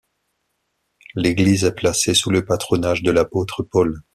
L'église est placée sous le patronage de l'apôtre Paul.